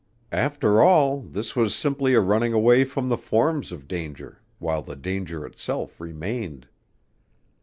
After all this was simply a running away from the forms of danger while the danger itself remained.